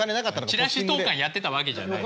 チラシ投かんやってたわけじゃない。